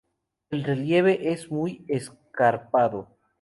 El relieve es muy escarpado.